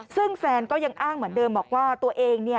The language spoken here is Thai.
ซึ่งแฟนก็ยังอ้างเหมือนเดิมบอกว่าตัวเองเนี่ย